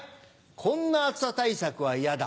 こんな暑さ対策は嫌だ。